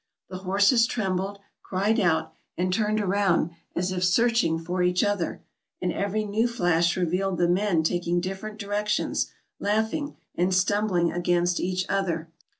The horses trembled, cried out, and turned around, as if searching for each other, and every new flash revealed the men taking different directions, laugh ing, and stumbling against each other.